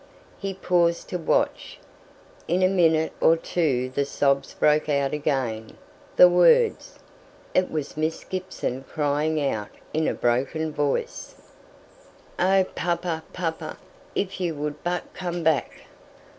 He paused to watch. In a minute or two the sobs broke out again the words. It was Miss Gibson crying out in a broken voice, "Oh, papa, papa! if you would but come back!"